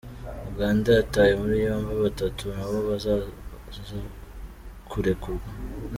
Uganda yataye muri yombi batatu nabo baza kurekurwa.